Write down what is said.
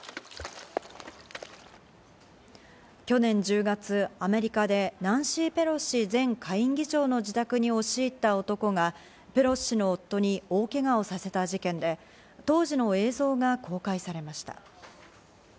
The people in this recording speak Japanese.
去年１０月、アメリカでナンシー・ペロシ前下院議長の自宅に押し入った男がペロシ氏の夫に大怪我をさせた事件で、当時の映像が公開されました。